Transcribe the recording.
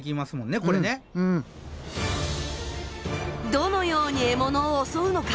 どのように獲物を襲うのか。